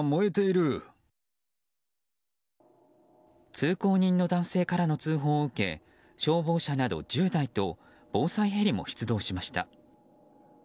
通行人の男性からの通報を受け消防車など１０台と防災ヘリも出動しました。